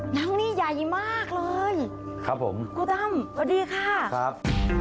หนังนี่ใหญ่มากเลยครับผมครูตั้มสวัสดีค่ะครับ